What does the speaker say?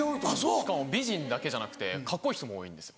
しかも美人だけじゃなくてカッコいい人も多いんですよ。